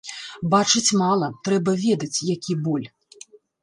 Бачыць мала, трэба ведаць, які боль.